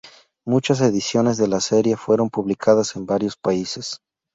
Muchas ediciones de la serie fueron publicadas en varios países.